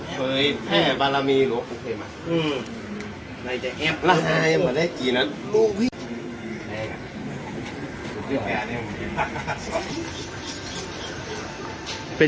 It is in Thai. ผู้ชายเรียกหน้าเชิง